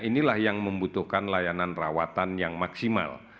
inilah yang membutuhkan layanan rawatan yang maksimal